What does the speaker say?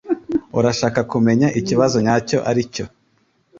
Urashaka kumenya ikibazo nyacyo aricyo